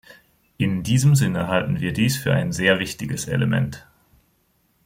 In diesem Sinne halten wir dies für ein sehr wichtiges Element.